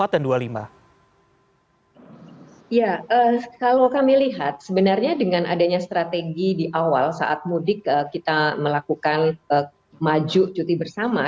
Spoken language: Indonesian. kalau kami lihat sebenarnya dengan adanya strategi di awal saat mudik kita melakukan maju cuti bersama